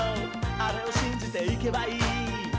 あれをしんじていけばいい」